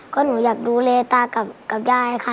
ก็หนูอยากดูแลตากับยายค่ะ